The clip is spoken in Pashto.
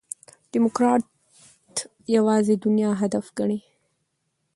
ډيموکراټ یوازي دنیا هدف ګڼي.